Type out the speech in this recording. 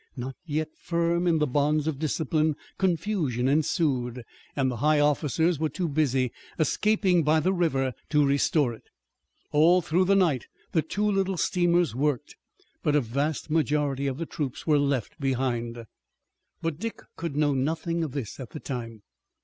Not yet firm in the bonds of discipline confusion ensued, and the high officers were too busy escaping by the river to restore it. All through the night the two little steamers worked, but a vast majority of the troops were left behind. But Dick could know nothing of this at the time.